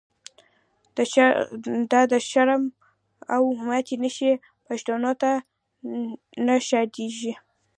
دا دشرم او ماتی نښی، پښتنوته نه ښاییږی